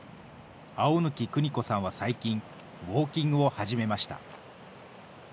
青貫邦子さんは最近、ウォーキングを始めました。